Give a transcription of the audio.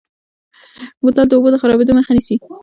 بوتل د اوبو د خرابېدو مخه نیسي.